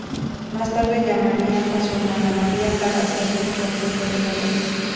Más tarde llamarían a su hermana María para hacerle un consejo de guerra.